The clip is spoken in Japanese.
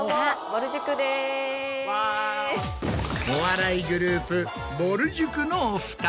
お笑いグループ。